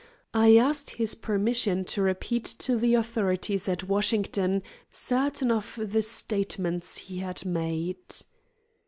I asked his permission to repeat to the authorities at Washington certain of the statements he had made.